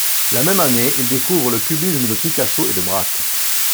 La même année, il découvre le cubisme de Picasso et de Braque.